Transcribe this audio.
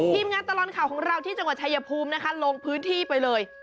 ทีมงานตลอดข่าวของเราที่จังหวัดชายภูมินะคะลงพื้นที่ไปเลย